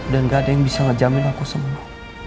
dan gak ada yang bisa ngejamin aku sembuh